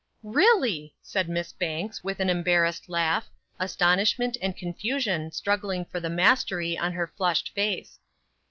"Really!" said Miss Banks, with an embarrassed laugh, astonishment and confusion struggling for the mastery on her flushed face.